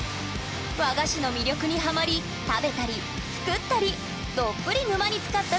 和菓子の魅力にハマり食べたり作ったりどっぷり沼につかった１０代が登場！